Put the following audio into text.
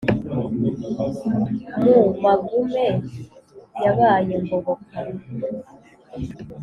mu magume yabaye ngoboka,